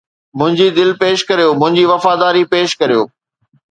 منهنجي دل پيش ڪريو، منهنجي وفاداري پيش ڪريو